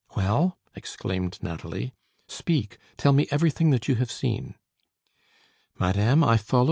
"Well," exclaimed Nathalie, "speak! Tell me everything that you have seen!" "Madame, I followed M.